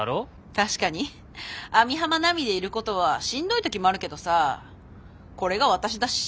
確かに網浜奈美でいることはしんどい時もあるけどさこれが私だし。